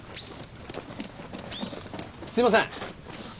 すいません。